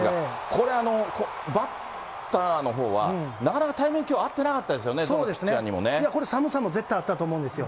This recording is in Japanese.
これ、バッターのほうは、なかなかタイミングきょう、合ってなかったんですよね、どのピッチャーにもね。これ、寒さも絶対あったと思うんですよ。